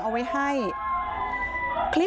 หมาก็เห่าตลอดคืนเลยเหมือนมีผีจริง